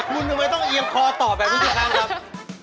มึงทำไมต้องเอียบคอต่อแบบนี้ครับ